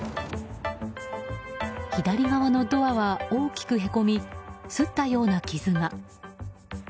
左側のドアは大きくへこみ擦ったような傷が。